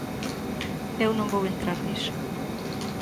Eu non vou entrar niso.